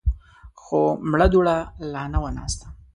خو مړه دوړه لا نه وه ناسته.